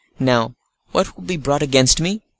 Now, what will be brought against me?